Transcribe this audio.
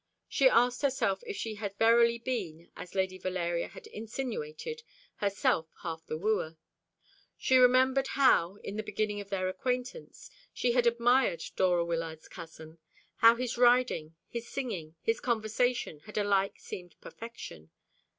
She asked herself if she had verily been, as Lady Valeria had insinuated, herself half the wooer. She remembered how, in the beginning of their acquaintance, she had admired Dora Wyllard's cousin how his riding, his singing, his conversation had alike seemed perfection.